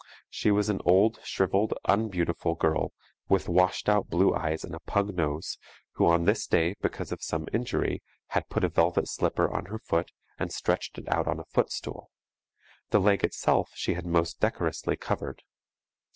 She was an old, shriveled, unbeautiful girl with washed out blue eyes and a pug nose, who on this day, because of some injury, had put a velvet slipper on her foot and stretched it out on a footstool; the leg itself she had most decorously covered.